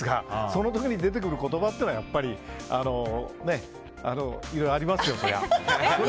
その時に出てくる言葉っていうのはやっぱりいろいろありますよ。